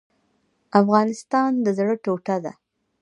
افغانستان د زړه ټوټه ده؟